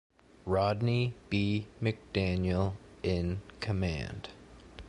Rodney B. McDaniel in command.